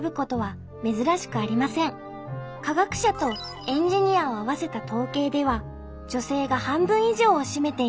科学者とエンジニアを合わせた統計では女性が半分以上を占めています。